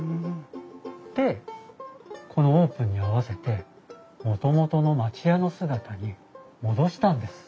でこのオープンに合わせてもともとの町家の姿に戻したんです。